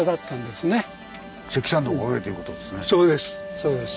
そうです